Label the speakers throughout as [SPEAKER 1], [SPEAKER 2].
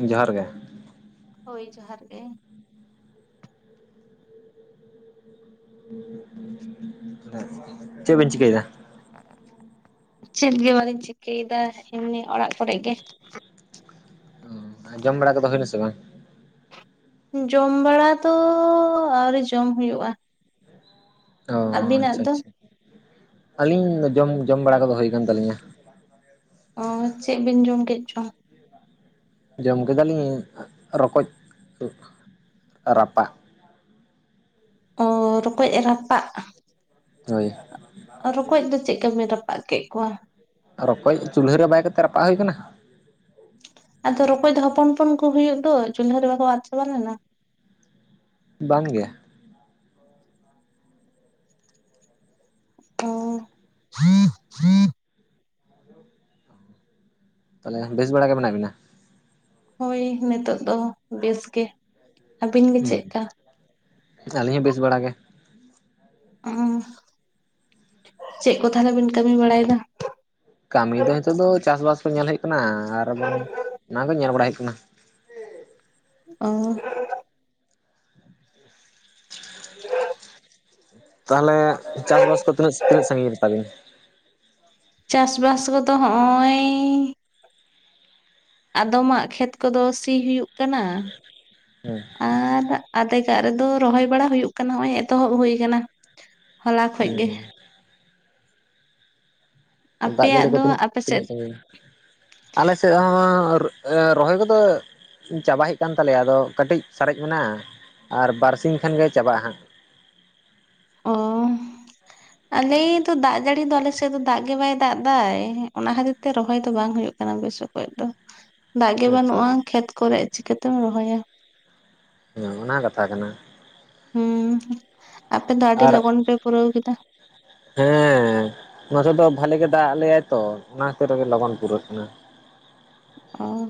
[SPEAKER 1] ᱡᱚᱦᱟᱨ ᱜᱮ
[SPEAKER 2] ᱦᱳᱭ ᱡᱚᱦᱟᱨ ᱜᱮ
[SPEAKER 1] ᱪᱮᱫ ᱵᱤᱱ ᱪᱤᱠᱟᱹᱭᱫᱟ
[SPEAKER 2] ᱪᱮᱫ ᱜᱮ ᱵᱟᱹᱞᱤᱧ ᱪᱤᱠᱟᱹᱭᱮᱫᱟ ᱮᱢᱱᱤ ᱚᱲᱟᱜ ᱠᱚᱨᱮ ᱜᱮ
[SPEAKER 1] ᱟᱨ ᱡᱚᱢ ᱵᱟᱲᱟ ᱠᱚᱫᱚ ᱦᱩᱭᱱᱟᱥᱮ ᱵᱟᱝ
[SPEAKER 2] ᱡᱚᱢ ᱵᱟᱲᱟ ᱫᱚ ᱟᱹᱣᱨᱤ ᱡᱚᱢ ᱦᱩᱭᱩᱜ-ᱟ
[SPEAKER 1] ᱚ ᱟᱪᱪᱷᱟ
[SPEAKER 2] ᱫᱚ
[SPEAKER 1] ᱟᱪᱪᱷᱟ ᱟᱹᱞᱤᱧ ᱡᱚᱢ ᱡᱚᱢ ᱵᱟᱲᱟ ᱠᱚᱫᱚ ᱦᱩᱭ ᱠᱟᱱ ᱛᱟᱹᱞᱤᱧᱟ
[SPEAKER 2] ᱚ ᱪᱮᱫ ᱵᱤᱱ ᱡᱚᱢ ᱠᱮᱫ ᱪᱚ
[SPEAKER 1] ᱡᱚᱢ ᱠᱮᱫᱟᱞᱤᱧ ᱨᱚᱠᱚᱡᱽ ᱨᱟᱯᱟᱜ
[SPEAKER 2] ᱚ ᱨᱚᱠᱚᱡᱽ ᱨᱟᱯᱟᱜ
[SPEAKER 1] ᱦᱳᱭ
[SPEAKER 2] ᱨᱚᱠᱚᱡᱽ ᱫᱚ ᱪᱮᱫ ᱠᱟ ᱵᱤᱱ ᱨᱟᱯᱟᱜ ᱠᱮᱫ ᱠᱚᱣᱟ
[SPEAKER 1] ᱨᱚᱠᱚᱡᱽ ᱪᱩᱞᱦᱟᱹ ᱨᱮ ᱵᱟᱭ ᱠᱟᱛᱮ ᱨᱟᱯᱟᱜ ᱦᱩᱭ ᱠᱟᱱᱟ
[SPEAKER 2] ᱟᱫᱚ ᱨᱚᱠᱚᱡᱽ ᱫᱚ ᱦᱚᱯᱚᱱ ᱦᱚᱯᱚᱱ ᱠᱚ ᱦᱩᱭᱩᱜ ᱫᱚ ᱪᱩᱞᱦᱟᱹ ᱨᱮ ᱵᱟᱠᱚ ᱟᱫᱽ ᱪᱟᱵᱟ ᱞᱮᱱᱟ
[SPEAKER 1] ᱵᱟᱝ ᱜᱮ
[SPEAKER 2] ᱚ [unintelligible]
[SPEAKER 1] ᱛᱟᱦᱚᱞᱮ ᱵᱮᱥ ᱵᱟᱲᱟ ᱜᱮ ᱢᱮᱱᱟᱜ ᱵᱤᱱᱟ
[SPEAKER 2] ᱦᱳᱭ ᱱᱤᱛᱚᱜ ᱫᱚ ᱵᱮᱥ ᱜᱮ ᱟᱹᱵᱤᱱ ᱜᱮ
[SPEAKER 1] ᱦᱩᱸ
[SPEAKER 2] ᱪᱮᱫᱠᱟ
[SPEAKER 1] ᱟᱹᱞᱤᱧ ᱦᱚᱸ ᱵᱮᱥ ᱵᱟᱲᱟ ᱜᱮ
[SPEAKER 2] ᱚ ᱪᱮᱫ ᱠᱚ ᱛᱟᱦᱚᱞᱮᱵᱤᱱ ᱠᱟᱹᱢᱤ ᱵᱟᱲᱟᱭᱮᱫᱟ
[SPEAKER 1] ᱠᱟᱹᱢᱤ ᱫᱚ ᱦᱤᱛᱚᱜ ᱫᱚ ᱪᱟᱥᱵᱟᱥ ᱠᱚ ᱧᱮᱞ ᱦᱩᱭᱩᱜ ᱠᱟᱱᱟ ᱟᱨ ᱵᱟᱝ ᱚᱱᱟ ᱠᱚ ᱧᱮᱞ ᱵᱟᱲᱟ ᱦᱩᱭᱩᱜ ᱠᱟᱱᱟ
[SPEAKER 2] ᱚ [inaudible]
[SPEAKER 1] ᱛᱟᱦᱚᱞᱮ ᱪᱟᱥᱵᱟᱥ ᱠᱚ ᱛᱤᱱᱟᱹᱜ ᱛᱤᱱᱟᱹᱜ ᱥᱟᱺᱜᱤᱧ ᱨᱮᱛᱟᱵᱤᱱ
[SPEAKER 2] ᱪᱟᱥ ᱵᱟᱥ ᱠᱚᱫᱚ ᱦᱚᱜ-ᱚᱭ ᱟᱫᱚᱢᱟᱜ ᱠᱷᱮᱛ ᱠᱚᱫᱚ ᱥᱤ ᱦᱩᱭᱩᱜ ᱠᱟᱱᱟ
[SPEAKER 1] [inaudible]
[SPEAKER 2] ᱟᱨ ᱟᱫᱷᱮᱜᱟᱜ ᱨᱮᱫᱚ ᱨᱚᱦᱚᱭ ᱵᱟᱲᱟ ᱦᱩᱭᱩᱜ ᱠᱟᱱᱟ ᱱᱚᱜ-ᱚᱭ ᱮᱛᱚᱦᱚᱵ ᱦᱩᱭ ᱟᱠᱟᱱᱟ ᱦᱚᱞᱟ ᱠᱷᱚᱡ ᱜᱮ
[SPEAKER 1] ᱫᱟᱜ
[SPEAKER 2] ᱟᱯᱮᱭᱟᱜ
[SPEAKER 1] ᱡᱟᱹᱲᱤ ᱠᱚ
[SPEAKER 2] ᱫᱚ
[SPEAKER 1] ᱛᱤᱱᱟᱹᱜ
[SPEAKER 2] ᱟᱯᱮ ᱥᱮᱫ
[SPEAKER 1] ᱛᱤᱱᱟᱹᱜ ᱥᱟᱺᱜᱤᱧᱟ ᱟᱞᱮ ᱥᱮᱫ ᱦᱚᱸ ᱨᱚᱦᱚᱭ ᱠᱚᱫᱚ ᱪᱟᱵᱟ ᱦᱩᱭᱩᱜ ᱠᱟᱱ ᱛᱟᱞᱮᱭᱟ ᱟᱫᱚ ᱠᱟᱹᱴᱤᱡ ᱥᱟᱨᱮᱡ ᱢᱮᱱᱟᱜ-ᱟ ᱟᱨ ᱵᱟᱨᱥᱤ ᱠᱷᱟᱱᱜᱮ ᱪᱟᱵᱟᱜ-ᱟ ᱦᱟᱸᱜ
[SPEAKER 2] ᱚ
[SPEAKER 1] [inaudible]
[SPEAKER 2] ᱟᱞᱮᱚ ᱫᱟᱜ ᱡᱟᱹᱲᱤ ᱫᱚ ᱟᱞᱮᱥᱮᱫ ᱫᱚ ᱫᱟᱜ ᱜᱮ ᱵᱟᱭ ᱫᱟᱜ ᱮᱫᱟ ᱚᱱᱟ ᱠᱷᱟᱹᱛᱤᱨ ᱛᱮ ᱨᱚᱦᱚᱭ ᱫᱚ ᱵᱟᱝ ᱦᱩᱭᱩᱜ ᱠᱟᱱᱟ ᱢ ᱵᱮᱥ ᱠᱚᱡ ᱫᱚ ᱫᱟᱜ ᱜᱮ
[SPEAKER 1] ᱟᱪᱪᱷᱟ
[SPEAKER 2] ᱵᱟᱹᱱᱩᱜ-ᱟ ᱠᱷᱮᱛ ᱠᱚᱨᱮ ᱪᱤᱠᱟᱹᱛᱮᱢ ᱨᱚᱦᱚᱭᱟ
[SPEAKER 1] ᱚᱱᱟ ᱠᱟᱛᱷᱟ ᱠᱟᱱᱟ
[SPEAKER 2] ᱦᱩᱸ ᱟᱯᱮ ᱫᱚ ᱟᱹᱰᱤ
[SPEAKER 1] ᱟᱨ
[SPEAKER 2] ᱞᱚᱜᱚᱱ ᱯᱮ ᱯᱩᱨᱟᱹᱣ ᱠᱮᱫᱟ
[SPEAKER 1] ᱦᱮᱸ ᱱᱚᱛᱮ ᱫᱚ ᱵᱷᱟᱞᱤ ᱜᱮ ᱫᱟᱜ ᱟ ᱞᱮᱭᱟᱭ ᱛᱚ ᱚᱱᱟ ᱠᱷᱚᱛᱤᱨ ᱛᱮ ᱞᱚᱜᱚᱱ ᱯᱩᱨᱟᱹᱜ ᱠᱟᱱᱟ
[SPEAKER 2] ᱚ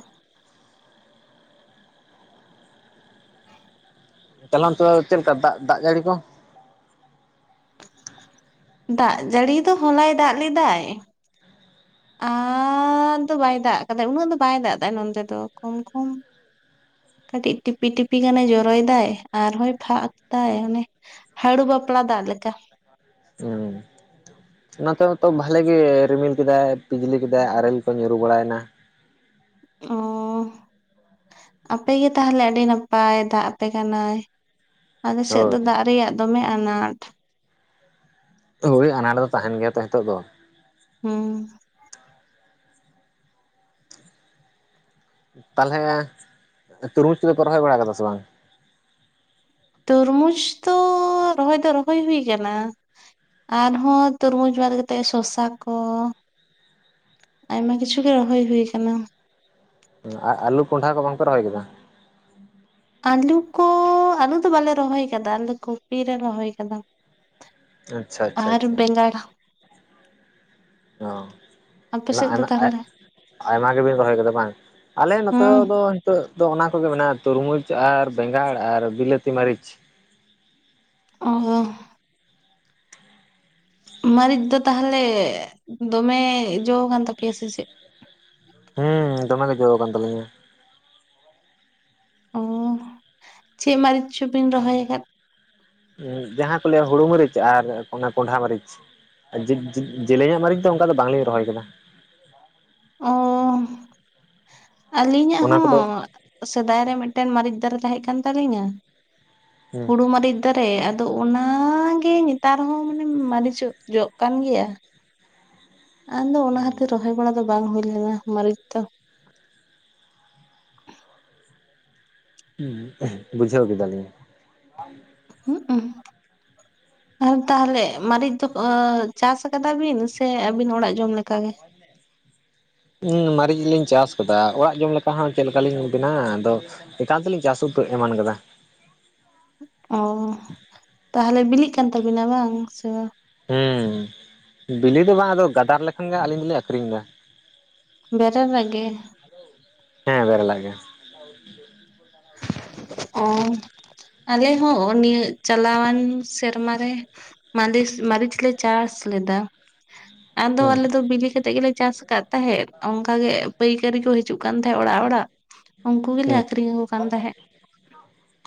[SPEAKER 1] ᱛᱟᱞᱟᱢ ᱛᱚ ᱪᱮᱫ ᱞᱮᱠᱟ ᱫᱟᱜ ᱫᱟᱜ ᱡᱟᱹᱲᱤ ᱠᱚ
[SPEAKER 2] ᱫᱟᱜ ᱡᱟᱹᱲᱤ ᱫᱚ ᱦᱚᱞᱟᱭ ᱫᱟᱜ ᱞᱮᱫᱟᱭ ᱟᱨ ᱫᱚ ᱵᱟᱭ ᱫᱟᱜ ᱠᱟᱫᱟᱭ ᱩᱱᱟᱹᱜ ᱫᱚ ᱵᱟᱭ ᱫᱟᱜ ᱮᱫᱟ ᱱᱚᱛᱮ ᱫᱚ ᱠᱚᱢ ᱠᱚᱢ ᱠᱟᱹᱴᱤᱡ ᱴᱤᱯᱤ ᱴᱤᱯᱤ ᱜᱟᱱᱮ ᱡᱚᱨᱚᱭ ᱫᱟᱭ ᱟᱨᱦᱚᱸᱭ ᱯᱷᱟᱠ ᱫᱟᱭ ᱚᱱᱮ ᱦᱟᱹᱟᱹᱲᱩ ᱵᱟᱯᱞᱟ ᱫᱟᱜ ᱞᱮᱠᱟ
[SPEAKER 1] ᱦᱩᱸ ᱱᱚᱛᱮ ᱦᱚᱸᱛᱚ ᱵᱷᱟᱞᱮ ᱜᱮ ᱨᱤᱢᱤᱞ ᱠᱮᱫᱟᱭ ᱯᱤᱡᱽᱞᱤ ᱠᱮᱫᱟᱭ ᱟᱨᱮᱞ ᱠᱚ ᱧᱩᱨᱩ ᱵᱟᱲᱟᱭᱮᱱᱟ
[SPEAKER 2] ᱚ ᱟᱯᱮᱜ ᱜᱮ ᱛᱟᱦᱚᱞᱮ ᱟᱹᱰᱤ ᱱᱟᱯᱟᱭ ᱫᱟᱜ ᱟᱯᱮ ᱠᱟᱱᱟᱭ ᱟᱞᱮ ᱥᱮᱫ ᱫᱚ
[SPEAKER 1] ᱦᱳᱭ
[SPEAKER 2] ᱫᱟᱜ ᱨᱮᱭᱟᱜ ᱫᱚᱢᱮ ᱟᱱᱟᱴ
[SPEAKER 1] ᱦᱳᱭ ᱟᱱᱟᱴ ᱫᱚ ᱛᱟᱦᱮᱱ ᱜᱮᱭᱟ ᱛᱚ ᱱᱤᱛᱚᱜ ᱫᱚ
[SPEAKER 2] ᱦᱩᱢᱸ
[SPEAKER 1] ᱛᱟᱦᱚᱞᱮ ᱛᱩᱨᱢᱩᱡᱽ ᱠᱚᱫᱚᱯᱮ ᱨᱚᱦᱚᱭ ᱵᱟᱲᱟ ᱠᱟᱫᱟ ᱥᱮ ᱵᱟᱝ
[SPEAKER 2] ᱛᱚᱨᱢᱩᱡᱽ ᱫᱚ ᱨᱚᱦᱚᱭ ᱫᱚ ᱨᱚᱦᱚᱭ ᱦᱩᱭ ᱟᱠᱟᱱᱟ ᱟᱨᱦᱚᱸ ᱛᱩᱨᱢᱩᱡᱽ [unintelligible] ᱛᱮ ᱥᱚᱥᱟ ᱠᱚ ᱟᱭᱢᱟ ᱠᱤᱪᱷᱩ ᱜᱮ ᱨᱚᱦᱚᱭ ᱦᱩᱭ ᱟᱠᱟᱱᱟ
[SPEAKER 1] ᱟᱨ ᱟᱞᱩ ᱠᱚᱸᱰᱷᱟ ᱠᱚ ᱵᱟᱝᱯᱮ ᱨᱚᱦᱚᱭ ᱠᱮᱫᱟ
[SPEAKER 2] ᱟᱞᱩ ᱠᱚ ᱟᱞᱩ ᱫᱚ ᱵᱟᱞᱮ ᱨᱚᱦᱚᱭ ᱠᱟᱫᱟ ᱟᱞᱮ ᱫᱚ ᱠᱚᱯᱤ ᱞᱮ ᱨᱚᱦᱚᱭ ᱠᱟᱫᱟ
[SPEAKER 1] ᱟᱪᱪᱷᱟ ᱟᱪᱪᱷᱟ
[SPEAKER 2] ᱟᱨ
[SPEAKER 1] ᱟᱪᱪᱷᱟ
[SPEAKER 2] ᱵᱮᱸᱜᱟᱲ ᱟᱯᱮ ᱥᱮᱫ ᱫᱚ ᱛᱟᱦᱚᱞᱮ
[SPEAKER 1] [unintelligible] ᱟᱭᱢᱟ ᱜᱮᱵᱤᱱ ᱨᱚᱦᱚᱭ ᱠᱟᱫᱽᱟ ᱵᱟᱝ ᱟᱞᱮ ᱱᱚᱛᱮ
[SPEAKER 2] ᱦᱩᱸ
[SPEAKER 1] ᱫᱚ ᱱᱤᱛᱚᱜ ᱫᱚ ᱚᱱᱟ ᱠᱚᱜᱮ ᱢᱮᱱᱟᱜᱼᱟ ᱛᱩᱨᱢᱩᱡᱽ ᱟᱨ ᱵᱮᱸᱜᱟᱲ ᱟᱨ ᱵᱤᱞᱟᱹᱛᱤ ᱢᱟᱹᱨᱤᱪ
[SPEAKER 2] ᱚᱦᱳ ᱢᱟᱹᱨᱤᱪ ᱫᱚ ᱛᱟᱦᱚᱞᱮ ᱫᱚᱢᱮ ᱡᱚ ᱣᱟᱠᱟᱱ ᱛᱟᱯᱮᱭᱟ ᱥᱮ ᱪᱮᱫ
[SPEAKER 1] ᱦᱮᱸ ᱫᱚᱢᱮ ᱜᱮ ᱡᱚ ᱟᱠᱟᱱᱟᱱ ᱛᱟᱹᱞᱤᱧᱟ
[SPEAKER 2] ᱩᱸ ᱪᱮᱫ ᱢᱟᱹᱨᱤᱪ ᱪᱚ ᱵᱤᱱ ᱨᱚᱦᱚᱭᱟᱠᱟᱫ
[SPEAKER 1] ᱩᱸ ᱡᱟᱦᱟᱸ ᱠᱚ ᱞᱟᱹᱭᱟ ᱦᱩᱲᱩ ᱢᱟᱹᱨᱤᱪ ᱟᱨ ᱚᱱᱟ ᱠᱚᱸᱰᱷᱟ ᱢᱟᱹᱨᱤᱪ ᱡᱮᱧᱞᱮᱧᱟᱜ ᱢᱟᱹᱨᱤᱪ ᱫᱚ ᱚᱱᱠᱟ ᱫᱚ ᱵᱟᱝᱞᱤᱧ ᱨᱚᱦᱚᱭ ᱟᱠᱟᱫᱟ
[SPEAKER 2] ᱚ ᱟᱹᱞᱤᱧᱟᱜ
[SPEAKER 1] ᱚᱱᱟ ᱠᱚᱫᱚ
[SPEAKER 2] ᱦᱚᱸ ᱥᱮᱫᱟᱭ ᱨᱮ ᱢᱤᱫᱴᱮᱱ ᱢᱟᱹᱨᱤᱪ ᱫᱟᱨᱮ ᱛᱟᱦᱮᱸ ᱠᱟᱱ ᱛᱟᱞᱤᱧᱟ
[SPEAKER 1] ᱦᱩᱸ
[SPEAKER 2] ᱦᱩᱲᱩ ᱢᱟᱹᱨᱤᱪ ᱛᱟ ᱨᱮ ᱟᱫᱚ ᱚᱱᱟᱜᱮ ᱱᱮᱛᱟᱨ ᱦᱚᱸ ᱢᱟᱱᱮ ᱢᱟᱹᱨᱤᱪᱚᱜ ᱡᱚᱜ ᱠᱟᱱ ᱜᱮᱭᱟ ᱟᱫᱚ ᱚᱱᱟ ᱠᱷᱟᱹᱛᱤᱨ ᱨᱚᱦᱚᱭ ᱵᱟᱲᱟ ᱫᱚ ᱵᱟᱝ ᱦᱩᱭ ᱞᱮᱱᱟ ᱢᱟᱹᱨᱤᱪ ᱫᱚ
[SPEAKER 1] ᱦᱩᱸ ᱵᱩᱡᱷᱟᱣ ᱠᱮᱫ ᱫᱟᱞᱤᱧ
[SPEAKER 2] ᱦᱩᱸᱜ-ᱩ
[SPEAKER 1] [inaudible]
[SPEAKER 2] ᱟᱨ ᱛᱟᱦᱚᱞᱮ ᱢᱟᱹᱨᱤᱪ ᱫᱚ ᱪᱟᱥ ᱟᱠᱟᱫᱟ ᱵᱤᱱ ᱥᱮ ᱟᱹᱵᱤᱱ ᱚᱲᱟᱜ ᱡᱚᱢᱞᱮᱠᱟ ᱜᱮ?
[SPEAKER 1] [unintelligible] ᱢᱟᱹᱨᱤᱪ ᱜᱮ ᱞᱤᱧ ᱪᱟᱥ ᱟᱠᱟᱫᱟ ᱚᱲᱟᱜ ᱡᱚᱢ ᱞᱮᱠᱟ ᱦᱚᱸ ᱪᱮᱫ ᱞᱮᱠᱟᱞᱤᱧ ᱵᱮᱤᱱᱟ-ᱟ ᱟᱫᱚ᱾ ᱮᱠᱟᱱ ᱛᱮᱞᱤᱧ ᱪᱟᱥ ᱩᱛᱩ ᱮᱢᱟᱱ ᱠᱟᱫᱟ
[SPEAKER 2] ᱚ ᱛᱟᱦᱚᱞᱮ ᱵᱤᱞᱤᱜ ᱠᱟᱱ ᱛᱟᱵᱤᱱᱟ ᱵᱟᱝ ᱥᱮ ᱵᱟ?
[SPEAKER 1] ᱦᱩᱸ ᱵᱤᱞᱤ ᱫᱚ ᱵᱟᱝ ᱟᱫᱚ ᱜᱟᱫᱟᱨ ᱞᱮᱠᱷᱟᱱ ᱜᱮ ᱟᱞᱤᱧ ᱫᱚᱞᱮᱧ ᱟᱠᱷᱨᱤᱧ ᱮᱫᱟ
[SPEAKER 2] ᱵᱮᱨᱮᱞᱟᱜ ᱜᱮ?
[SPEAKER 1] ᱦᱮᱸ ᱵᱮᱨᱮ ᱞᱟᱜ ᱜᱮ
[SPEAKER 2] ᱚ ᱟᱞᱮ ᱦᱚᱸ ᱚ ᱱᱤᱭᱟᱹ ᱪᱟᱞᱟᱣᱟᱱ ᱥᱮᱨᱢᱟᱟᱨ ᱨᱮ ᱢᱟᱞᱤᱥ ᱢᱟᱹᱨᱤᱪ ᱞᱮ ᱪᱟᱥ ᱞᱮᱫᱟ ᱟᱫᱚ
[SPEAKER 1] ᱦᱩᱸ
[SPEAKER 2] ᱟᱞᱮ ᱫᱚ ᱵᱤᱞᱤ ᱠᱟᱛᱮ ᱜᱮᱞᱮ ᱪᱟᱥ ᱠᱟᱫ ᱛᱟᱦᱮᱸᱫ ᱚᱱᱠᱟ ᱜᱮ ᱯᱟᱹᱭᱠᱟᱹᱨᱤ ᱠᱚ ᱦᱤᱡᱩᱜ ᱠᱟᱱ ᱛᱟᱦᱮᱸᱫ ᱚᱲᱟᱜ ᱚᱲᱟᱜ ᱩᱱᱠᱩ ᱜᱮᱞᱮ
[SPEAKER 1] ᱦᱩᱸ
[SPEAKER 2] ᱟᱠᱷᱨᱤᱧ ᱟᱹᱠᱩ ᱠᱟᱱ ᱛᱟᱦᱮᱫ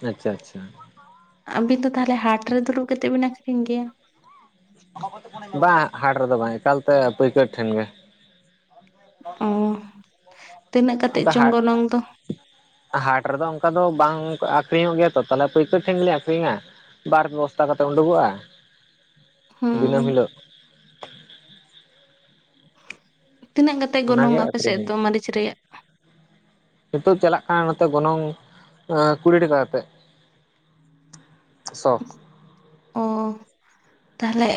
[SPEAKER 1] ᱟᱪᱪᱷᱟ ᱟᱪᱪᱷᱟ
[SPEAKER 2] ᱟᱹᱵᱤᱱ ᱫᱚ ᱛᱟᱦᱚᱞᱮ ᱦᱟᱴ ᱨᱮ ᱫᱩᱲᱩᱵ ᱠᱟᱛᱮᱫ ᱵᱤᱱ ᱟᱠᱷᱨᱤᱧ ᱜᱮᱭᱟ?
[SPEAKER 1] ᱵᱟᱝ ᱦᱟᱴ ᱨᱮᱫᱚ ᱵᱟᱝ ᱮᱠᱟᱞᱛᱮ ᱯᱟᱹᱭᱠᱟᱹᱨ ᱴᱷᱮᱱ ᱜᱮ
[SPEAKER 2] ᱚᱸ ᱛᱤᱱᱟᱹᱜ ᱠᱟᱛᱮ
[SPEAKER 1] ᱚᱱᱠᱟ
[SPEAKER 2] ᱪᱚᱝ
[SPEAKER 1] ᱦᱟᱴ
[SPEAKER 2] ᱜᱚᱱᱚᱝ ᱫᱚ?
[SPEAKER 1] ᱦᱟᱴ ᱨᱮᱫᱚ ᱚᱱᱠᱟ ᱫᱚ ᱵᱟᱝ ᱟᱠᱷᱨᱤᱧᱚᱜ ᱜᱮᱭᱟ ᱛᱚ ᱛᱟᱦᱞᱮ ᱯᱟᱹᱭᱠᱟᱹᱨ ᱴᱷᱮᱱ ᱜᱮᱤᱧ ᱟᱠᱷᱨᱤᱧᱟ ᱵᱟᱨ ᱯᱮ ᱵᱚᱥᱛᱟ ᱠᱟᱛᱮᱜ ᱩᱰᱩᱠᱚᱜᱼᱟ ᱫᱤᱱᱟᱹᱢ
[SPEAKER 2] ᱦᱩᱸ
[SPEAKER 1] ᱦᱤᱞᱟᱹᱜ
[SPEAKER 2] ᱛᱤᱱᱟᱹᱜ ᱠᱟᱛᱮ ᱜᱚᱱᱚᱝ
[SPEAKER 1] ᱚᱱᱟᱜᱮ ᱟᱠᱷᱨᱤᱧ
[SPEAKER 2] ᱟᱯᱮᱥᱮᱫ ᱫᱚ
[SPEAKER 1] ᱦᱩᱭᱩᱜ
[SPEAKER 2] ᱢᱟᱨᱟᱹᱨᱤᱪ ᱨᱮᱭᱟᱜ?
[SPEAKER 1] ᱱᱤᱛᱚᱜ ᱪᱟᱞᱟᱜ ᱠᱟᱱᱟ ᱱᱚᱛᱮ ᱜᱚᱱᱚᱝ ᱠᱩᱲᱤ ᱴᱟᱠᱟ ᱠᱟᱛᱮᱜ ᱡᱚ
[SPEAKER 2] ᱚ ᱛᱟᱦᱚᱞᱮ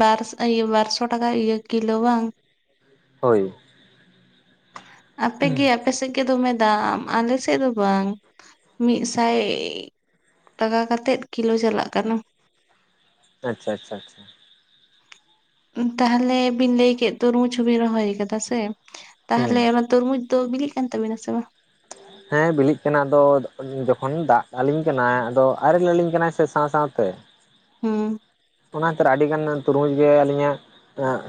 [SPEAKER 2] ᱵᱟᱨᱥ ᱤᱭᱟᱹ ᱵᱟᱨᱥᱚ ᱴᱟᱠᱟ ᱤᱭᱟᱹ ᱠᱤᱞᱳ ᱵᱟᱝ?
[SPEAKER 1] ᱦᱳᱭ
[SPEAKER 2] ᱟᱯᱮᱜᱮ ᱟᱯᱮᱥᱮᱫ ᱜᱮ ᱫᱚᱢᱮ ᱫᱟᱢ ᱟᱞᱮ ᱥᱮᱫ ᱫᱚ ᱵᱟᱝ ᱢᱤᱫᱥᱟᱭ ᱴᱟᱠᱟ ᱠᱟᱛᱮᱫ ᱠᱤᱞᱳ ᱪᱟᱞᱟᱜ ᱠᱟᱱᱟ᱾
[SPEAKER 1] ᱟᱪᱪᱷᱟ ᱟᱪᱷᱟ ᱟᱪᱷᱟ
[SPEAKER 2] ᱛᱟᱦᱚᱞᱮ ᱵᱤᱱ ᱞᱟᱹᱭ ᱠᱮᱫ ᱛᱩᱨᱵᱩᱡᱽ ᱦᱚᱚᱵᱤᱱ ᱨᱚᱦᱚᱭ ᱟᱠᱟᱫᱟ ᱥᱮ
[SPEAKER 1] ᱦᱩᱸ
[SPEAKER 2] ᱛᱟᱦᱚᱞᱮ ᱚᱱᱟ? ᱛᱩᱨᱢᱩᱡᱽ ᱫᱚ ᱵᱤᱞᱤᱜ ᱠᱟᱱ ᱛᱟᱵᱤᱱᱟ ᱥᱮ ᱵᱟᱝ?
[SPEAKER 1] ᱦᱮᱸ ᱵᱤᱞᱤᱜ ᱠᱟᱱᱟ ᱟᱫᱚ ᱡᱚᱠᱷᱚᱱ ᱫᱟᱜ ᱟᱞᱤᱧ ᱠᱟᱱᱟ ᱟᱫᱚ ᱟᱨᱮᱞ ᱟᱹᱞᱤᱧ ᱠᱟᱱᱟᱭ ᱥᱮ ᱥᱟᱶ ᱥᱟᱶᱛᱮ᱾
[SPEAKER 2] ᱦᱩᱸ
[SPEAKER 1] ᱚᱱᱟ ᱛᱤᱨ ᱟᱹᱰᱤᱜᱟᱱ ᱛᱩᱨᱵᱩᱡ ᱜᱮ ᱟᱹᱞᱤᱧᱟᱜ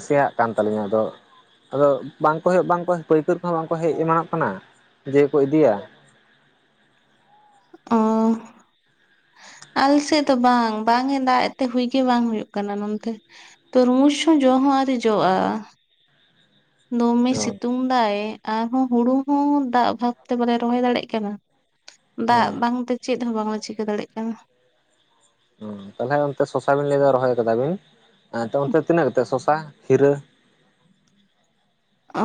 [SPEAKER 1] ᱥᱮᱭᱟᱜ ᱠᱟᱱ ᱛᱟᱹᱞᱤᱧᱟ ᱟᱫᱚ ᱟᱫᱚ ᱵᱟᱝᱠᱚ ᱦᱩᱭᱩᱜ ᱵᱟᱝᱠᱚ ᱯᱟᱹᱭᱠᱟᱹᱨ ᱠᱚᱦᱚᱸ ᱵᱟᱝᱠᱚ ᱦᱮᱡ ᱮᱢᱟᱱᱚᱜ ᱠᱟᱱᱟ ᱡᱮᱠᱚ ᱤᱫᱤᱭᱟ
[SPEAKER 2] ᱚᱸ ᱟᱞᱮ ᱥᱮᱫ ᱫᱚ ᱵᱟᱝ ᱵᱟᱝ ᱮ ᱫᱟᱜ ᱮ ᱛᱮ ᱦᱩᱭᱜᱮ ᱵᱟᱝ ᱦᱩᱭᱩᱜ ᱠᱟᱱᱟ ᱱᱚᱱᱛᱮ ᱛᱚᱨᱢᱩᱡᱽ ᱦᱚᱸ ᱡᱚ ᱦᱚᱸ ᱟᱨᱤ ᱡᱚᱜᱼᱟ ᱫᱚᱢᱮ
[SPEAKER 1] ᱚ
[SPEAKER 2] ᱥᱤᱛᱩᱝ ᱫᱟᱭ ᱟᱨᱦᱚᱸ ᱦᱩᱲᱩ ᱫᱟᱜ ᱵᱷᱟᱵ ᱛᱮ ᱵᱟᱞᱮ ᱨᱚᱦᱚᱭ ᱫᱟᱲᱮᱜ ᱠᱟᱱᱟ ᱫᱟᱜ
[SPEAKER 1] ᱦᱩᱸ
[SPEAKER 2] ᱵᱟᱝᱛᱮ ᱪᱮᱫ ᱦᱚᱸ ᱵᱟᱝᱠᱚ ᱪᱤᱠᱟᱹ ᱫᱟᱲᱮᱜ ᱠᱟᱱᱟ᱾
[SPEAKER 1] ᱛᱟᱦᱚᱞᱮ ᱚᱱᱛᱮ ᱥᱚᱥᱟ ᱵᱤᱱ ᱞᱟᱹᱭᱟ ᱨᱚᱦᱚᱭ ᱠᱟᱫᱟᱵᱤᱱ ᱚᱱᱛᱮ ᱛᱤᱱᱟᱹᱜ ᱠᱟᱛᱮᱫ ᱥᱚᱥᱟ ᱦᱤᱨᱟᱹ?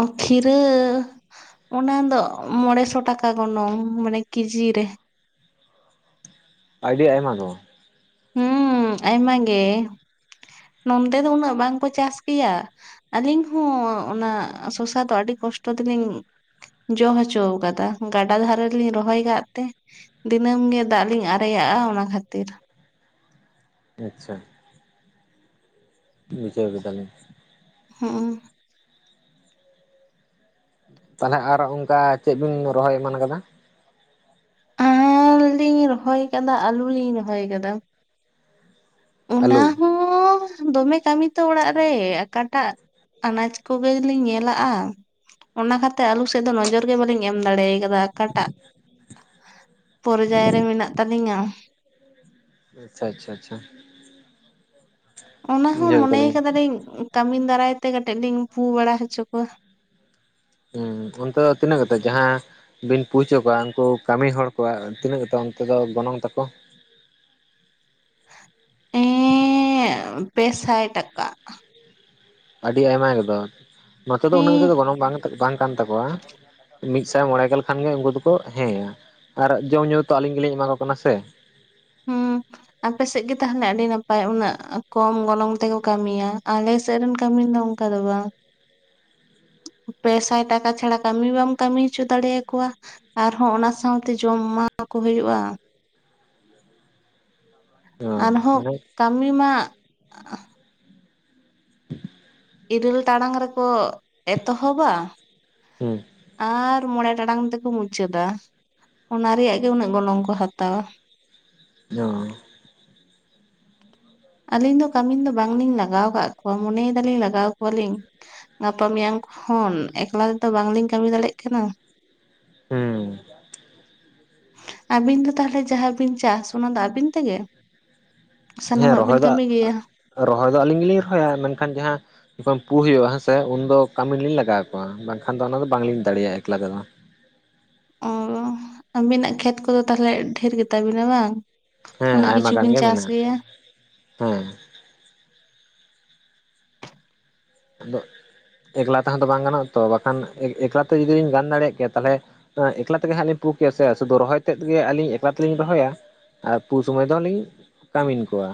[SPEAKER 2] ᱚ ᱠᱷᱤᱨᱟᱹ ᱚᱱᱟ ᱫᱚ ᱢᱚᱬᱮᱥᱚ ᱴᱟᱠᱟ ᱜᱚᱱᱚᱝ ᱢᱟᱱᱮ ᱠᱮᱡᱤ ᱨᱮ᱾
[SPEAKER 1] ᱟᱹᱰᱤ ᱟᱭᱢᱟ ᱫᱚ
[SPEAKER 2] ᱦᱩᱸ ᱟᱭᱢᱟ ᱜᱮ ᱱᱚᱱᱛᱮ ᱫᱚ ᱩᱱᱟᱹᱜ ᱵᱟᱝᱠᱚ ᱪᱟᱥ ᱜᱮᱭᱟ᱾ ᱟᱹᱞᱤᱧ ᱦᱚᱸ ᱚᱱᱟ ᱥᱚᱥᱟ ᱫᱚ ᱟᱹᱰᱤ ᱠᱚᱥᱴᱚ ᱛᱮᱞᱤᱧ ᱡᱚ ᱦᱚᱪᱚ ᱠᱟᱫᱟ ᱜᱟᱰᱟ ᱫᱷᱟᱨᱮ ᱞᱤᱧ ᱨᱚᱦᱚᱭ ᱠᱟᱜ ᱛᱮ ᱫᱤᱱᱟᱹᱢ ᱜᱮ ᱫᱟᱜ ᱞᱤᱧ ᱟᱨᱮᱭᱟᱜᱼᱟ ᱚᱱᱟ ᱠᱷᱟᱹᱛᱤᱨ
[SPEAKER 1] ᱟᱪᱪᱷᱟ ᱵᱩᱡᱟᱹᱣ ᱠᱮᱫᱟ ᱞᱤᱧ
[SPEAKER 2] ᱦᱩᱸᱜ ᱚᱸ
[SPEAKER 1] ᱛᱟᱞᱦᱮ ᱟᱨ ᱚᱱᱠᱟ ᱪᱮᱫ ᱵᱤᱱ ᱨᱚᱦᱚᱭ ᱮᱢᱟᱱ ᱟᱠᱟᱫᱟ?
[SPEAKER 2] ᱟᱨ ᱞᱤᱧ ᱨᱚᱦᱚᱭ ᱟᱠᱟᱫᱟ ᱟᱹᱞᱩ ᱞᱤᱧ ᱨᱚᱦᱚᱭ ᱟᱠᱟᱫᱟ ᱚᱱᱟ
[SPEAKER 1] ᱟᱹᱞᱩ
[SPEAKER 2] ᱦᱚᱸ ᱫᱚᱢᱮ ᱠᱟᱹᱢᱤ ᱛᱚ ᱚᱲᱟᱜ ᱨᱮ ᱟᱠᱟᱴᱟᱜ ᱟᱱᱟᱡ ᱠᱚᱜᱮᱞᱤᱧ ᱧᱮᱞᱟᱜᱼᱟ ᱚᱱᱟ ᱠᱷᱟᱹᱛᱤᱨ ᱟᱞᱩ ᱥᱮᱫ ᱫᱚ ᱱᱚᱡᱚᱨ ᱜᱮ ᱵᱟᱞᱤᱧ ᱮᱢ ᱫᱟᱲᱮ ᱠᱟᱫᱟ ᱚᱠᱟᱴᱟᱜ ᱯᱚᱨᱡᱟᱭ ᱨᱮ ᱢᱮᱱᱟᱜ ᱛᱟᱞᱤᱧᱟ
[SPEAKER 1] ᱟᱪᱪᱷᱟ ᱟᱪᱪᱷᱟ ᱟᱪᱪᱷᱟ
[SPEAKER 2] ᱚᱱᱟᱦᱚᱸ
[SPEAKER 1] ᱵᱩᱡᱷᱟᱹᱣ
[SPEAKER 2] ᱢᱚᱱᱮ
[SPEAKER 1] ᱠᱮᱫᱟᱞᱤᱧ
[SPEAKER 2] ᱠᱟᱫᱟᱞᱤᱧ ᱠᱟᱹᱢᱤᱱ ᱫᱟᱨᱟᱭ ᱛᱮ ᱠᱟᱹᱴᱤᱡ ᱞᱤᱧ ᱯᱩ ᱵᱟᱲᱟ ᱦᱚᱪᱚ ᱠᱚᱣᱟ
[SPEAKER 1] ᱦᱩᱸ ᱚᱱᱛᱮ ᱫᱚ ᱛᱤᱱᱟᱹᱜ ᱠᱟᱛᱮ ᱡᱟᱦᱟᱸ ᱵᱤᱱ ᱯᱩ ᱦᱚᱪᱚ ᱠᱚᱣᱟ ᱩᱱᱠᱩ ᱠᱟᱹᱢᱤ ᱦᱚᱲ ᱠᱚᱣᱟ ᱛᱤᱱᱟᱹᱜ ᱠᱟᱛᱮ ᱚᱱᱛᱮ ᱫᱚ ᱜᱚᱱᱚᱝ ᱛᱟᱠᱚ
[SPEAKER 2] ᱮᱸᱻ ᱯᱮᱥᱟᱭ ᱴᱟᱠᱟ
[SPEAKER 1] ᱟᱹᱰᱤ ᱟᱭᱢᱟ ᱜᱮᱫᱚ ᱱᱚᱛᱮ ᱫᱚ ᱩᱱᱟᱹᱜ ᱟᱛᱮ
[SPEAKER 2] ᱦᱮᱸ
[SPEAKER 1] ᱫᱚ ᱜᱚᱱᱚᱝ ᱵᱟᱝ ᱠᱟᱱ ᱛᱟᱠᱚᱣᱟ ᱢᱤᱫᱥᱟᱭ ᱢᱚᱬᱮ ᱜᱮᱞ ᱠᱷᱟᱱ ᱜᱮ ᱩᱱᱠᱩ ᱫᱚᱠᱚ ᱦᱮᱸᱭᱟ ᱟᱨ ᱡᱚᱢ ᱧᱩ ᱛᱚ ᱟᱞᱤᱧ ᱜᱮᱞᱤᱧ ᱮᱢᱟ ᱠᱚ ᱠᱟᱱᱟ ᱥᱮ [inaudible]
[SPEAKER 2] ᱟᱯᱮᱥᱮᱫ ᱜᱮ ᱛᱟᱦᱞᱮ ᱟᱹᱰᱤ ᱱᱟᱯᱟᱭ ᱩᱱᱟᱹᱜ ᱠᱚᱢ ᱜᱚᱱᱚᱝ ᱛᱮᱠᱚ ᱠᱟᱹᱢᱤᱭᱟ ᱟᱞᱮᱥᱮᱫ ᱨᱮᱱ ᱠᱟᱹᱢᱤ ᱫᱚ ᱚᱝᱠᱟ ᱫᱚ ᱵᱟᱝ
[SPEAKER 1] [inaudible]
[SPEAKER 2] ᱯᱮᱥᱟᱭ ᱴᱟᱠᱟ ᱪᱷᱟᱲᱟ ᱠᱟᱹᱢᱤ ᱵᱟᱢ ᱠᱟᱹᱢᱤ ᱦᱚᱪᱚ ᱫᱟᱲᱮᱭᱟᱠᱚᱣᱟ ᱟᱨᱦᱚᱸ ᱚᱱᱟ ᱥᱟᱶᱛᱮ ᱡᱚᱢ ᱮᱢᱟ ᱠᱚ ᱦᱩᱭᱩᱜᱼᱟ᱾
[SPEAKER 1] ᱦᱚᱸ
[SPEAKER 2] ᱟᱨᱦᱚᱸ
[SPEAKER 1] ᱢᱟᱱᱮ
[SPEAKER 2] ᱠᱟᱹᱢᱤ ᱢᱟ
[SPEAKER 1] [inaudible]
[SPEAKER 2] ᱤᱨᱟᱹᱞ ᱴᱟᱲᱟᱝ ᱨᱮᱠᱚ ᱮᱛᱚᱦᱚᱵᱟ
[SPEAKER 1] ᱦᱩᱸ
[SPEAKER 2] ᱟᱨ ᱢᱚᱬᱮ ᱴᱟᱲᱟᱝ ᱛᱮᱠᱚ ᱢᱩᱪᱟᱹᱫᱟ ᱚᱱᱟ ᱨᱮᱭᱟᱜ ᱜᱮ ᱩᱱᱟᱹᱜ ᱜᱚᱱᱚᱝ ᱠᱚ ᱦᱟᱛᱟᱣᱟ
[SPEAKER 1] ᱡᱚᱸ
[SPEAKER 2] ᱟᱹᱞᱤᱧ ᱫᱚ ᱠᱟᱹᱢᱤᱱ ᱫᱚ ᱵᱟᱝᱞᱤᱧ ᱞᱟᱜᱟᱣ ᱠᱟᱜ ᱠᱚᱣᱟ ᱢᱚᱱᱮᱭ ᱫᱟᱞᱤᱧ ᱞᱟᱜᱟᱣ ᱠᱚᱣᱟᱞᱤᱧ ᱜᱟᱯᱟ ᱢᱮᱭᱟᱝ ᱠᱷᱚᱱ ᱮᱠᱞᱟ ᱛᱮᱫᱚ ᱵᱟᱝᱞᱤᱧ ᱠᱟᱹᱢᱤ ᱫᱟᱲᱮᱜ ᱠᱟᱱᱟ
[SPEAKER 1] ᱦᱩᱸ
[SPEAKER 2] ᱟᱹᱵᱤᱱ ᱫᱚ ᱛᱟᱦᱚᱞᱮ ᱡᱟᱦᱟᱸ ᱵᱤᱱ ᱪᱟᱥ ᱚᱱᱟ ᱫᱚ ᱟᱹᱵᱤᱱ ᱛᱮᱜᱮ
[SPEAKER 1] ᱦᱮᱸ
[SPEAKER 2] ᱥᱟᱱᱟᱢᱟᱜ
[SPEAKER 1] ᱨᱚᱦᱚᱭ
[SPEAKER 2] ᱵᱤᱱ
[SPEAKER 1] ᱫᱚ,
[SPEAKER 2] ᱠᱟᱹᱢᱤ ᱜᱮᱭᱟ
[SPEAKER 1] ᱨᱚᱦᱚᱭ ᱫᱚ ᱟᱹᱞᱤᱧ ᱜᱮᱞᱤᱧ ᱨᱚᱦᱚᱭᱟ ᱢᱮᱱᱠᱷᱟᱱ ᱡᱟᱦᱟᱸ ᱡᱚᱠᱷᱚᱱ ᱯᱩ ᱦᱩᱭᱩᱜᱼᱟ ᱦᱮᱸᱥᱮ ᱩᱱᱫᱚ ᱠᱟᱹᱢᱤ ᱞᱤᱧ ᱞᱟᱜᱟᱣ ᱠᱚᱣᱟ ᱵᱟᱝᱠᱷᱟᱱ ᱫᱚ ᱚᱱᱟ ᱫᱚ ᱵᱟᱝᱞᱤᱧ ᱫᱟᱲᱮᱭᱟᱜᱼᱟ ᱮᱠᱞᱟ ᱛᱮᱫᱚ
[SPEAKER 2] ᱚᱸ ᱟᱹᱵᱤᱱᱟᱜ ᱠᱷᱮᱛ ᱠᱚᱫᱚ ᱛᱟᱦᱚᱞᱮ ᱰᱷᱮᱨ ᱜᱮ ᱛᱟᱵᱤᱱᱟ ᱵᱟᱝ
[SPEAKER 1] ᱦᱮᱸ
[SPEAKER 2] ᱩᱱᱟᱹᱜ
[SPEAKER 1] ᱟᱭᱢᱟ
[SPEAKER 2] ᱠᱤᱪᱷᱩ
[SPEAKER 1] ᱜᱟᱱ
[SPEAKER 2] ᱵᱤᱱ
[SPEAKER 1] ᱜᱮ
[SPEAKER 2] ᱪᱟᱥ
[SPEAKER 1] ᱢᱮᱱᱟᱜᱼᱟ
[SPEAKER 2] ᱜᱮᱭᱟ
[SPEAKER 1] ᱦᱮᱸ ᱟᱫᱚ ᱮᱠᱞᱟ ᱛᱮᱦᱚᱸ ᱛᱚ ᱵᱟᱝ ᱜᱟᱱᱚᱜᱼᱟ ᱛᱚ ᱵᱟᱠᱷᱟᱱ ᱮᱠᱞᱟᱛᱮ ᱡᱩᱫᱤ ᱞᱤᱧ ᱜᱟᱱ ᱫᱟᱲᱮᱭᱟᱜ ᱠᱮᱭᱟ ᱛᱟᱦᱚᱞᱮ ᱮᱠᱞᱟ ᱛᱮᱜᱮ ᱦᱟᱸ ᱞᱤᱧ ᱯᱩ ᱠᱮᱭᱟ ᱥᱮ ᱥᱩᱫᱩ ᱨᱚᱦᱚᱭ ᱛᱮᱫ ᱜᱮ ᱟᱹᱞᱤᱧ ᱮᱠᱞᱟ ᱛᱮᱞᱤᱧ ᱨᱚᱦᱚᱭᱟ ᱟᱨ ᱯᱩ ᱥᱳᱢᱚᱹᱭ ᱫᱚᱞᱤᱧ ᱠᱟᱹᱢᱤᱱ ᱠᱚᱣᱟ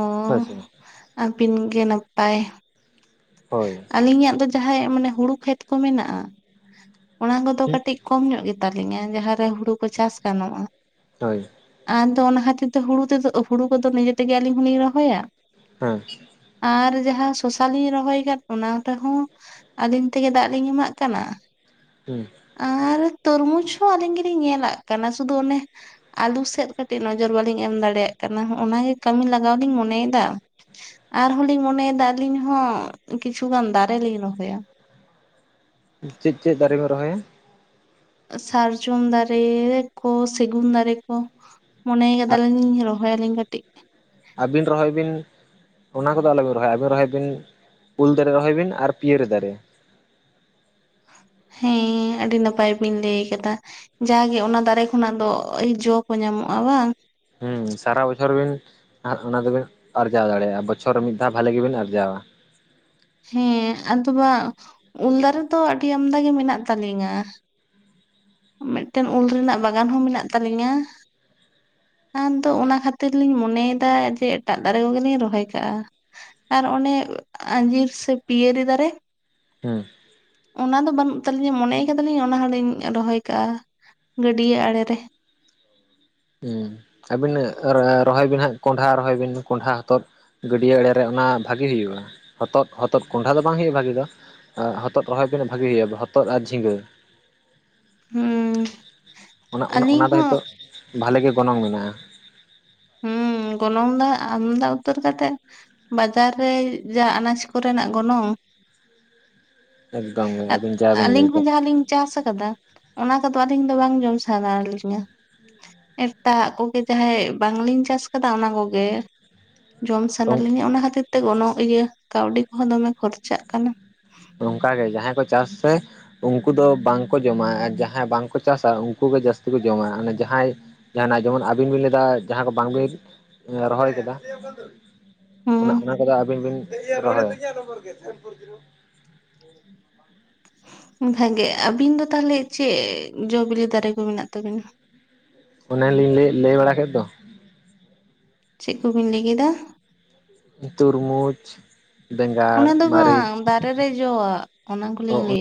[SPEAKER 2] ᱚᱸ
[SPEAKER 1] ᱦᱳᱭ ᱥᱮ
[SPEAKER 2] ᱟᱵᱤᱱ ᱜᱮ ᱱᱟᱯᱟᱭ
[SPEAKER 1] ᱦᱳᱭ
[SPEAKER 2] ᱟᱹᱞᱤᱧᱟᱜ ᱫᱚ ᱡᱟᱦᱟᱸ ᱢᱟᱱᱮ ᱦᱩᱲᱩ ᱠᱷᱮᱛ ᱠᱚ ᱢᱮᱱᱟᱜᱼᱟ ᱚᱱᱟ ᱠᱚᱫᱚ
[SPEAKER 1] ᱦᱩᱸ
[SPEAKER 2] ᱠᱟᱹᱴᱤᱡ ᱠᱚᱢ ᱧᱚᱜ ᱜᱮᱛᱟᱟᱞᱤᱧᱟ ᱡᱟᱦᱟᱸᱨᱮ ᱦᱩᱲᱩ ᱠᱚ ᱪᱟᱥ ᱜᱟᱱᱚᱜᱼᱟ
[SPEAKER 1] ᱦᱳᱭ
[SPEAKER 2] ᱟᱫᱚ ᱚᱱᱟ ᱠᱷᱟᱹᱛᱤᱨ ᱛᱮ ᱦᱩᱲᱩ ᱛᱮᱫᱚ ᱦᱩᱲᱩ ᱠᱚᱫᱚ ᱱᱤᱡᱮ ᱛᱮᱜᱮ ᱟᱹᱞᱤᱧ ᱦᱚᱞᱤᱧ ᱨᱚᱦᱚᱭᱟ
[SPEAKER 1] ᱦᱮᱸ
[SPEAKER 2] ᱟᱨ ᱡᱟᱦᱟᱸ ᱥᱟᱥᱟ ᱞᱤᱧ ᱨᱚᱦᱚᱭ ᱚᱱᱟ ᱨᱮᱦᱚᱸ ᱟᱹᱞᱤᱧ ᱛᱮᱜᱮ ᱫᱟᱜ ᱞᱤᱧ ᱮᱢᱟᱜ ᱠᱟᱱᱟ
[SPEAKER 1] ᱦᱩᱸ
[SPEAKER 2] ᱟᱨ ᱛᱚᱨᱢᱩᱡᱽ ᱦᱚᱸ ᱟᱹᱞᱤᱧ ᱜᱮᱞᱤᱧ ᱧᱮᱞᱟᱜ ᱠᱟᱱᱟ ᱥᱩᱫᱩ ᱚᱱᱮ ᱟᱞᱩ ᱥᱮᱫ ᱠᱟᱹᱴᱤᱡ ᱱᱚᱡᱚᱨ ᱵᱟᱞᱤᱧ ᱮᱢ ᱫᱟᱲᱮᱭᱟᱜ ᱠᱟᱱᱟ ᱚᱱᱟᱜ ᱜᱮ ᱠᱟᱹᱢᱤ ᱞᱟᱜᱟᱣ ᱞᱤᱧ ᱢᱚᱱᱮᱭᱮᱫᱟ ᱟᱨᱦᱚᱸ ᱟᱞᱤᱧ ᱞᱤᱧ ᱢᱚᱱᱮᱭᱮᱫᱟ ᱟᱹᱞᱤᱧ ᱦᱚᱸ ᱠᱤᱪᱷᱩᱜᱟᱱ ᱫᱟᱨᱮ ᱞᱤᱧ ᱨᱚᱦᱚᱭᱟ
[SPEAKER 1] ᱪᱮᱫ ᱪᱮᱫ ᱫᱟᱨᱮ ᱠᱚ ᱨᱚᱦᱚᱭᱟ
[SPEAKER 2] ᱥᱟᱨᱡᱚᱢ ᱫᱟᱨᱮ ᱠᱚ ᱥᱮᱜᱩᱱ ᱫᱟᱨᱮ ᱠᱚ ᱢᱚᱱᱮ ᱠᱟᱫᱟᱞᱤᱧ ᱨᱚᱦᱚᱭᱟᱞᱤᱧ ᱠᱟᱹᱴᱤᱡ
[SPEAKER 1] ᱟᱹᱵᱤᱱ ᱨᱚᱦᱚᱭ ᱵᱤᱱ ᱚᱱᱟ ᱠᱚᱫᱚ ᱟᱞᱚᱵᱤᱱ ᱨᱚᱦᱚᱭᱟ ᱟᱹᱵᱤᱱ ᱨᱚᱦᱚᱭ ᱵᱤᱱ ᱩᱞ ᱫᱟᱨᱮ ᱨᱚᱦᱚᱭ ᱵᱤᱱ ᱟᱨ ᱯᱤᱭᱟᱹᱨᱤ ᱫᱟᱨᱮ
[SPEAKER 2] ᱦᱮᱸ ᱟᱹᱰᱤ ᱱᱟᱯᱟᱭ ᱵᱤᱱ ᱞᱟᱹᱭ ᱟᱠᱟᱫᱟ ᱡᱟᱜᱮ ᱚᱱᱟ ᱫᱟᱨᱮ ᱠᱷᱚᱱᱟᱜ ᱫᱚ ᱡᱚ ᱠᱚ ᱧᱟᱢᱚᱜᱼᱟ ᱵᱟᱝ
[SPEAKER 1] ᱦᱸᱩ ᱥᱟᱨᱟ ᱵᱚᱪᱷᱚᱨ ᱵᱤᱱ ᱚᱱᱟ ᱫᱚᱵᱤᱱ ᱟᱨᱡᱟᱣ ᱫᱟᱲᱮᱭᱟᱜᱼᱟ ᱵᱚᱪᱷᱚᱨ ᱢᱤᱫ ᱫᱷᱟᱣ ᱵᱷᱟᱞᱞᱤ ᱜᱮᱵᱤᱱ ᱟᱨᱡᱟᱣᱟ
[SPEAKER 2] ᱦᱮᱸ ᱟᱫᱚ ᱱᱟᱜ ᱩᱞ ᱫᱟᱨᱮ ᱫᱚ ᱟᱹᱰᱤ ᱟᱢᱫᱟ ᱜᱮ ᱢᱮᱱᱟᱜ ᱛᱟᱞᱤᱧᱟ ᱢᱤᱫᱴᱮᱱ ᱩᱞ ᱨᱮᱱᱟᱜ ᱵᱟᱜᱟᱱ ᱦᱚᱸ ᱢᱮᱱᱟᱜ ᱛᱟᱹᱟᱞᱤᱧᱟ ᱟᱫᱚ ᱚᱱᱟ ᱠᱷᱟᱹᱛᱤᱨ ᱞᱤᱧ ᱢᱚᱱᱮᱭᱮᱫᱟ ᱡᱮ ᱮᱴᱟᱜ ᱫᱟᱨᱮ ᱠᱚᱜᱮᱞᱤᱧ ᱨᱚᱦᱚᱭ ᱠᱟᱜᱼᱟ ᱟᱨ ᱚᱱᱮ ᱟᱸᱡᱤᱨ ᱥᱮ ᱯᱤᱭᱟᱹᱨᱤ ᱫᱟᱨᱮ
[SPEAKER 1] ᱦᱮᱸ
[SPEAKER 2] ᱚᱱᱟ ᱫᱚ ᱵᱟᱹᱱᱩᱜ ᱛᱟᱹᱞᱤᱧᱟ ᱢᱚᱱᱮᱭ ᱠᱟᱫᱟᱞᱤᱧ ᱚᱱᱟ ᱦᱚᱸᱞᱤᱧ ᱨᱚᱦᱚᱭ ᱠᱟᱜᱼᱟ ᱜᱟᱹᱰᱭᱟᱹ ᱟᱲᱮ ᱨᱮ
[SPEAKER 1] ᱦᱸ ᱟᱵᱤᱱ ᱨᱚᱦᱚᱭ ᱵᱤᱱ ᱦᱟᱸᱜ ᱠᱚᱸᱰᱷᱟ ᱨᱚᱦᱚᱭ ᱵᱤᱱ ᱠᱚᱸᱰᱷᱟ ᱦᱚᱛᱚᱜ ᱜᱟᱹᱰᱭᱟᱹ ᱮᱲᱮᱨᱮ ᱚᱱᱟ ᱵᱷᱟᱜᱤ ᱦᱩᱭᱩᱜᱼᱟ ᱦᱚᱛᱚᱫ ᱠᱚᱸᱰᱷᱟ ᱫᱚ ᱵᱟᱝ ᱦᱩᱭᱩᱜᱼᱟ ᱵᱷᱟᱹᱜᱤ ᱫᱚ ᱟᱨ ᱦᱚᱛᱚᱫ ᱨᱚᱦᱚᱭ ᱵᱤᱱ ᱵᱷᱟᱹᱜᱮ ᱦᱩᱭᱩᱜᱼᱟ ᱦᱚᱛᱚᱫ ᱟᱨ ᱡᱷᱤᱸᱜᱟᱹ
[SPEAKER 2] ᱦᱩᱸ
[SPEAKER 1] ᱚᱱᱟ
[SPEAKER 2] ᱟᱹᱞᱤᱧ
[SPEAKER 1] ᱚᱱᱟ ᱫᱚ
[SPEAKER 2] ᱦᱚᱸ
[SPEAKER 1] ᱦᱚᱛᱚᱜ ᱵᱷᱟᱞᱮ ᱜᱮ ᱜᱚᱱᱚᱝ ᱢᱮᱱᱟᱜᱼᱟ
[SPEAKER 2] ᱦᱩᱸ ᱜᱚᱱᱚᱝ ᱫᱚ ᱟᱢᱫᱟ ᱩᱛᱟᱹᱨ ᱠᱟᱛᱮᱜ ᱵᱟᱡᱟᱨ ᱨᱮ ᱡᱟ ᱟᱱᱟᱡ ᱠᱚᱨᱮᱱᱟᱜ ᱜᱚᱱᱚᱝ
[SPEAKER 1] ᱮᱠᱫᱚᱢ ᱜᱮ ᱟᱹᱵᱤᱱ ᱡᱟ ᱵᱤᱱ
[SPEAKER 2] ᱟᱹᱞᱤᱧ ᱦᱚᱸ
[SPEAKER 1] ᱞᱟᱹᱭᱠᱮᱫ
[SPEAKER 2] ᱡᱟᱦᱟᱸ ᱞᱤᱧ ᱪᱟᱥ ᱟᱠᱟᱫᱟ ᱚᱱᱟ ᱠᱚᱫᱚ ᱟᱹᱞᱤᱧ ᱫᱚ ᱵᱟᱝ ᱡᱚᱢ ᱥᱟᱱᱟ ᱞᱤᱧᱟ ᱮᱴᱟᱜ ᱠᱚᱜᱮ ᱡᱟᱦᱟᱸᱟᱭ ᱵᱟᱝᱞᱤᱧ ᱪᱟᱥ ᱟᱠᱟᱫᱟ ᱚᱱᱟ ᱠᱚᱜᱮ ᱡᱚᱢ ᱥᱟᱱᱟ ᱞᱤᱧᱟ ᱚᱱᱟ ᱠᱷᱟᱹᱛᱤᱨ ᱛᱮ ᱛᱮ ᱩᱱᱟᱜ ᱤᱭᱟᱹ ᱠᱟᱹᱣᱰᱤ ᱠᱚᱦᱚᱸ ᱫᱚᱢᱮ ᱠᱷᱚᱨᱪᱟᱜ ᱠᱟᱱᱟ
[SPEAKER 1] ᱱᱚᱝᱠᱟ ᱜᱮ ᱡᱟᱦᱟᱸᱭ ᱠᱚ ᱪᱟᱥ ᱥᱮ ᱩᱱᱠᱩ ᱫᱚ ᱵᱟᱝᱠᱚ ᱡᱚᱢᱟ ᱟᱨ ᱡᱟᱦᱟᱸᱭ ᱵᱟᱝᱠᱚ ᱪᱟᱥᱟ ᱩᱱᱠᱩ ᱜᱮ ᱡᱟᱹᱥᱛᱤ ᱠᱚ ᱡᱚᱢᱟ ᱡᱟᱦᱟᱸᱭ ᱡᱟᱦᱟᱱᱟᱜ ᱡᱮᱢᱚᱱ ᱟᱹᱵᱤᱱ ᱵᱤᱱ ᱞᱟᱹᱭ ᱫᱟ ᱡᱟᱦᱟᱸ ᱠᱚ ᱵᱟᱝ ᱵᱤᱱ [unintelligible] ᱨᱚᱦᱚᱭ ᱠᱮᱫᱟ᱾ ᱚᱱᱟ ᱚᱱᱟ
[SPEAKER 2] ᱦᱩᱸ
[SPEAKER 1] ᱠᱚᱫᱚ ᱟᱹᱵᱤᱱ ᱵᱤᱱ ᱨᱚᱦᱚᱭᱟ᱾ [unintelligible]
[SPEAKER 2] ᱵᱷᱟᱜᱮ ᱟᱹᱵᱤᱱ ᱫᱚ ᱛᱟᱦᱚᱞᱮ ᱪᱮᱫ ᱡᱚ ᱵᱤᱞᱤ ᱫᱟᱨᱮ ᱠᱚ ᱢᱮᱱᱟᱜ ᱛᱟᱵᱤᱱᱟ
[SPEAKER 1] ᱚᱱᱮ ᱞᱤᱧ ᱞᱟᱹᱭ ᱮᱫ ᱞᱟᱹᱭ ᱵᱟᱲᱟ ᱠᱮᱫ ᱫᱚ᱾
[SPEAKER 2] ᱪᱮᱫ ᱠᱚᱵᱤᱱ ᱞᱟᱹᱭ ᱠᱮᱫᱟ
[SPEAKER 1] ᱛᱩᱨᱢᱩᱡᱽ
[SPEAKER 2] ᱚᱱᱟ
[SPEAKER 1] ᱵᱮᱸᱜᱟᱲ
[SPEAKER 2] ᱫᱚ
[SPEAKER 1] ᱢᱟᱹᱨᱤᱪ
[SPEAKER 2] ᱵᱟᱝ ᱫᱟᱨᱮ ᱨᱮ ᱡᱚᱣᱟᱜ ᱚᱱᱟ ᱠᱚᱞᱤᱧ
[SPEAKER 1] ᱚ
[SPEAKER 2] ᱞᱟᱹᱮᱫ